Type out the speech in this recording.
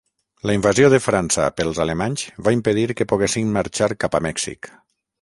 La invasió de França pels alemanys va impedir que poguessin marxar cap a Mèxic.